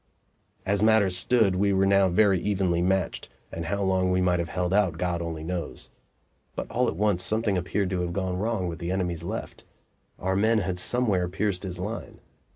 As matters stood, we were now very evenly matched, and how long we might have held out God only knows. But all at once something appeared to have gone wrong with the enemy's left; our men had somewhere pierced his line.